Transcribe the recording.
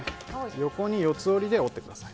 横に四つ折りで折ってください。